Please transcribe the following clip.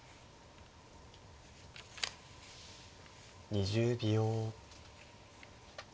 ２０秒。